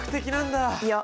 いや。